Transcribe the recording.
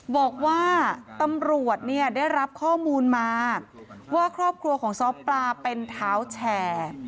บอกว่าตำรวจเนี่ยได้รับข้อมูลมาว่าครอบครัวของซ้อปลาเป็นเท้าแชร์